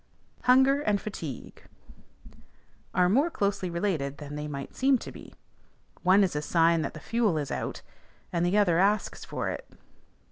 HUNGER AND FATIGUE are more closely related than they might seem to be: one is a sign that the fuel is out, and the other asks for it.